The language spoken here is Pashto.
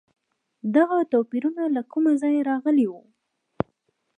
دغه توپیرونه له کوم ځایه راغلي وو؟